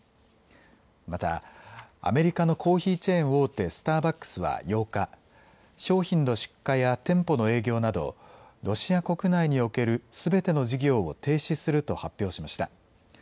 また、アメリカのコーヒーチェーン大手、スターバックスは８日、商品の出荷や店舗の営業などロシア国内におけるすべての事業を停止すると発表しました。